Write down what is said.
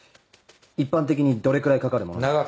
一般的にどれくらいかかるものなんだ？